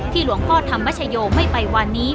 หลวงพ่อธรรมชโยไม่ไปวันนี้